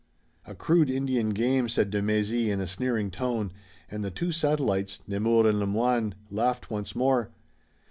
"A crude Indian game," said de Mézy in a sneering tone, and the two satellites, Nemours and Le Moyne, laughed once more.